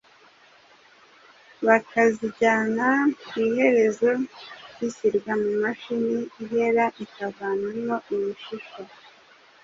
bakazijyana ku iherero. Zishyirwa mu mashini ihera ikavanaho ibishishwa